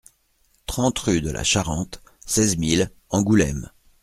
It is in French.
trente rue de la Charente, seize mille Angoulême